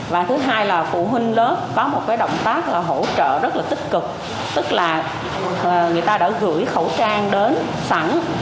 và thứ hai là phụ huynh lớp có một cái động tác là hỗ trợ rất là tích cực tức là người ta đã gửi khẩu trang đến sẵn